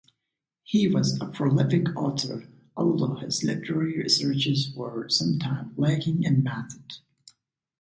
He was a prolific author, although his literary researches were sometimes lacking in method.